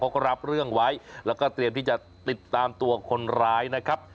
เขาก็รับเรื่องไว้แล้วก็เตรียมที่จะติดตามตัวคนร้ายนะครับ